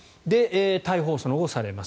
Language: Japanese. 逮捕、その後、されます。